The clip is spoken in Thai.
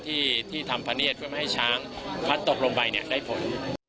ที่ทำพะเนียดเพื่อไม่ให้ช้างพัดตกลงไปได้ผล